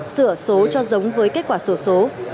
sửa số cho giống với kết quả sổ số